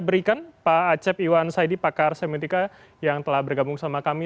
terima kasih anda berikan pak acep iwan saidipakar semetika yang telah bergabung sama kami